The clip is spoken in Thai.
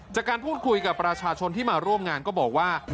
จากการพูดคุยกับประชาชนที่มาร่วมงานก็บอกว่า